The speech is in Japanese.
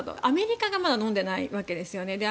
アメリカがのんでないわけですね。